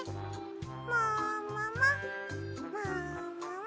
もももももも。